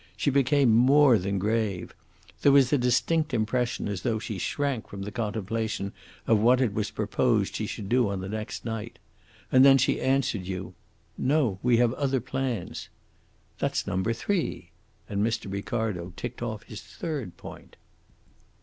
She became more than grave. There was a distinct impression as though she shrank from the contemplation of what it was proposed she should do on the next night. And then she answered you, 'No, we have other plans.' That's number three." And Mr. Ricardo ticked off his third point.